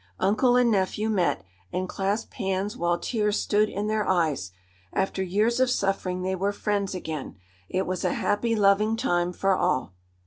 Uncle and nephew met, and clasped hands while tears stood in their eyes. After years of suffering they were friends again. It was a happy, loving time for all.